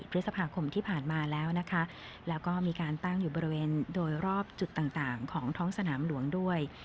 พฤษภาคมที่ผ่านมาแล้วนะคะแล้วก็มีการตั้งอยู่บริเวณโดยรอบจุดต่างต่างของท้องสนามหลวงด้วย